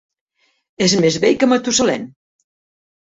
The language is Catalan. És més vell que Matusalem.